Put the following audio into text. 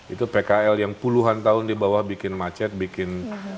itu pkl yang puluhan tahun dibawah bikin macet bikin